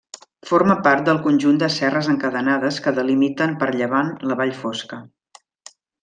Forma part del conjunt de serres encadenades que delimiten per llevant la Vall Fosca.